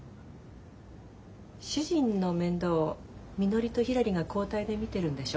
主人の面倒みのりとひらりが交代で見てるんでしょ？